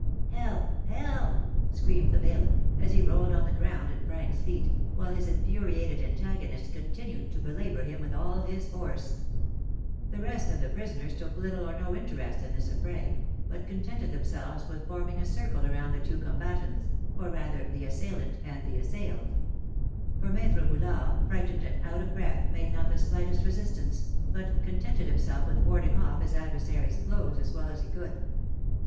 "Help, help!" screamed the bailiff, as he rolled on the ground at Frank's feet, while his infuriated antagonist continued to belabour him with all his force. The rest of the prisoners took little or no interest in this affray, but contented themselves with forming a circle around the two combatants, or rather the assailant and the assailed; for Maître Boulard, frightened and out of breath, made not the slightest resistance, but contented himself with warding off his adversary's blows as well as he could.